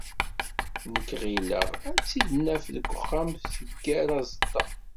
Nekk ɣileɣ ad tt-in-naf deg uxxam teggar azeṭṭa.